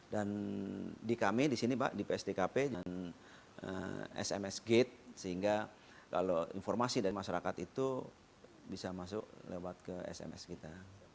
dan di kami di sini pak di psdkp dan sms gate sehingga kalau informasi dari masyarakat itu bisa masuk lewat ke sms kita